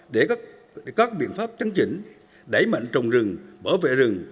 để các biện pháp chấn chỉnh đẩy mạnh trồng rừng bảo vệ rừng